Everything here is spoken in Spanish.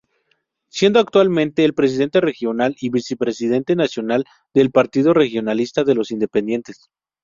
Siendo actualmente el presidente regional y vicepresidente nacional del Partido Regionalista de los Independientes.